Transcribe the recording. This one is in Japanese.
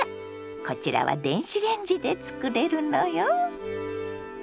こちらは電子レンジで作れるのよ。